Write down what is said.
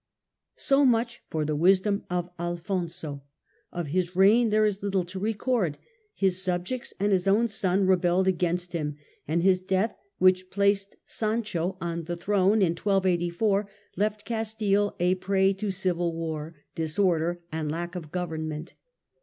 So much for the wisdom of Alfonso ; of his reign there is little to record ; his subjects and his own son Sandio . TV 1284 rebelled against him, and his death which placed Sanchogs" on the throne in 1284, left Castile a prey to civil war, disorder and lack of government.